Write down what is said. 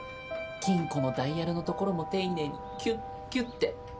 金庫のダイヤルのところも丁寧にキュッキュッて。